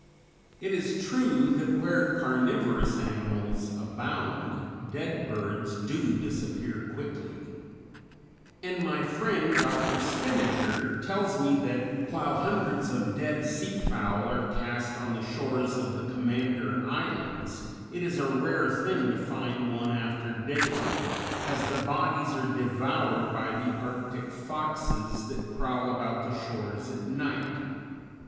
It is true that where carnivorous animals abound, dead birds do disappear quickly; and my friend Dr. Stejneger tells me that, while hundreds of dead sea fowl are cast on the shores of the Commander Islands, it is a rare thing to find one after daylight, as the bodies are devoured by the Arctic foxes that prowl about the shores at night.